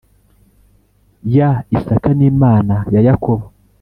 Ya isaka n imana ya yakobo